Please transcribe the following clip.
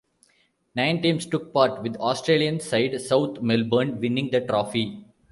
Nine teams took part, with Australian side South Melbourne winning the trophy.